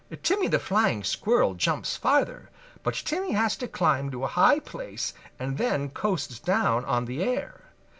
Timmy the Flying Squirrel jumps farther, but Timmy has to climb to a high place and then coasts down on the air.